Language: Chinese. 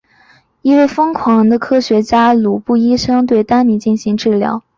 一位疯狂的科学家鲁本医生对丹尼进行治疗。